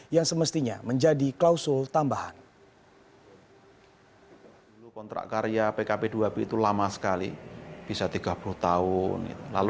yang semestinya menjadi klausul tambahan